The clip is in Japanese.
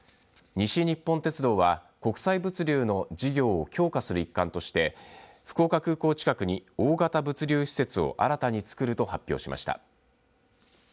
西日本鉄道は国際物流の事業を強化する一環として福岡空港近くに大型物流施設を新たに造ると発表しました。